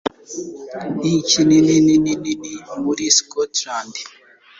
Niki Nini Nini Nini Muri Scotland